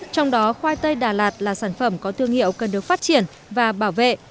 trong đó khoai tây đà lạt là sản phẩm có thương hiệu cần được phát triển và bảo vệ